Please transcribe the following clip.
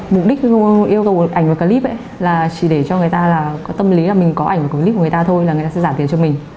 mục đích yêu cầu ảnh và clip là chỉ để cho người ta tâm lý là mình có ảnh và clip của người ta thôi là người ta sẽ giảm tiền cho mình